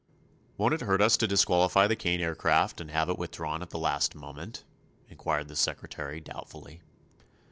"Won't it hurt us to disqualify the Kane Aircraft and have it withdrawn at the last moment?" inquired the secretary, doubtfully.